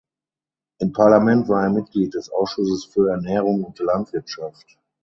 Im Parlament war er Mitglied des Ausschusses für Ernährung und Landwirtschaft.